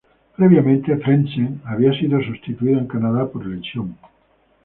Previamente, Frentzen había sido sustituido en Canadá por lesión.